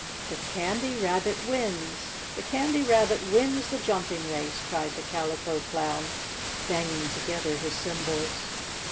"The Candy Rabbit wins! The Candy Rabbit wins the jumping race!" cried the Calico Clown, banging together his cymbals.